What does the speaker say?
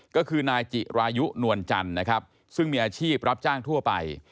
ก็คือนายจิรายุนวลจันทร์นะครับซึ่งมีอาชีพรับจ้างทั่วไป